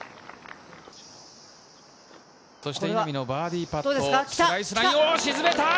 稲見のバーディーパット、スライスラインを沈めた。